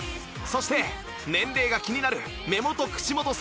そして年齢が気になる目元口元